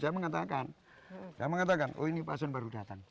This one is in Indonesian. saya mengatakan saya mengatakan oh ini pasien baru datang